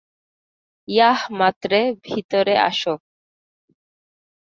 Yeah মাত্রে ভিতরে আসো।